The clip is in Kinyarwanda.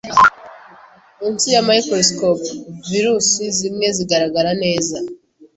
Munsi ya microscope, virusi zimwe zigaragara neza.